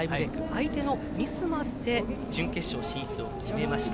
相手のミスもあって準決勝進出を決めました。